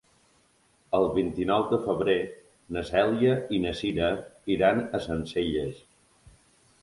El vint-i-nou de febrer na Cèlia i na Cira iran a Sencelles.